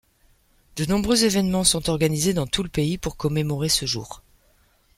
De nombreux événements sont organisés dans tout le pays pour commémorer ce jour.